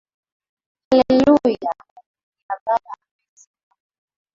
Hallelujah hallelujah baba upewe sifa.